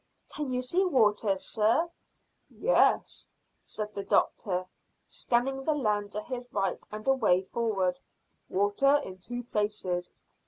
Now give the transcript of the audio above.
"Can you see water, sir?" "Yes," said the doctor, scanning the land to his right and away forward; "water in two places.